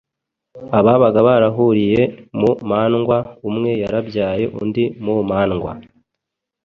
ababaga barahuriye mu mandwa, umwe yarabyaye undi mu mandwa,